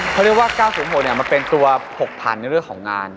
เขาเรียกว่า๙๐๖มันเป็นตัว๖๐๐๐ในเรื่องของงาน